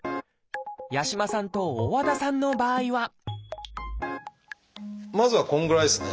八嶋さんと大和田さんの場合はまずはこんぐらいですね。